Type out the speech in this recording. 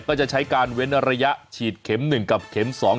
ก็จะใช้การเว้นระยะฉีดเข็ม๑กับเข็ม๒